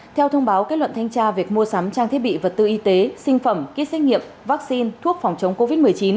theo thông báo kết luận thanh tra việc mua sắm trang thiết bị vật tư y tế sinh phẩm kýt xét nghiệm vaccine thuốc phòng chống covid một mươi chín